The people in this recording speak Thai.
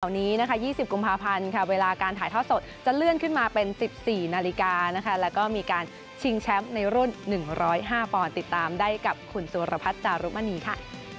วันนี้นะคะ๒๐กุมภาพันธ์ค่ะเวลาการถ่ายทอดสดจะเลื่อนขึ้นมาเป็น๑๔นาฬิกานะคะแล้วก็มีการชิงแชมป์ในรุ่น๑๐๕ปอนด์ติดตามได้กับคุณสุรพัฒน์จารุมณีค่ะ